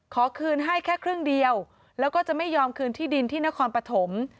ขอคืนให้แค่ครึ่งเดียวแล้วก็จะไม่ยอมคืนที่ดินที่นครปฐม